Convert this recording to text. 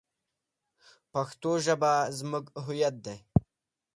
پښتو ژبه زموږ هویت دی.